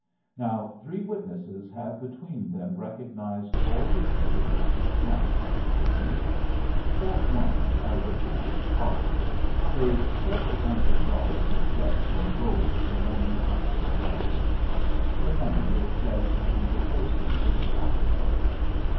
"Now three witnesses have between them recognized all the prisoners but one," he continued. "That one, a reputed pauper, paid several hundred dollars of debts in gold the morning after the robbery. The money is said to be the proceeds of a cattle sale.